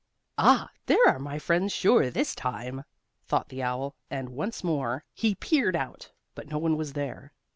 "Ah, there are my friends, sure, this time!" thought the owl, and once more he peered out, but no one was there.